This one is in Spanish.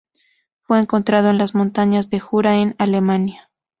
Fue encontrado en las Montañas de Jura en Alemania.